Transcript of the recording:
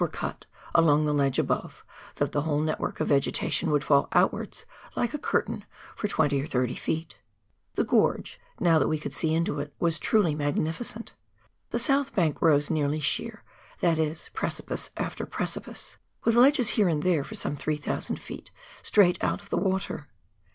were cut along the ledge above, tliat the whole network of vegetation would fall outwards like a curtain for 20 or 30 feet. The gorge, now that we could see into it, was truly magni ficent. The south bank rose nearly sheer, that is precipice after precipice, with ledges here and there, for some 3,000 ft., straight out of the water.